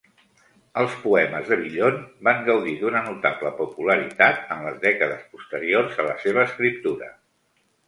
Els poemes de Villon van gaudir d'una notable popularitat en les dècades posteriors a la seva escriptura.